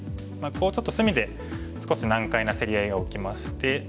ちょっと隅で少し難解な競り合いが起きまして。